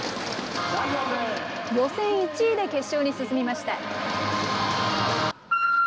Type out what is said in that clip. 予選１位で決勝に進みました。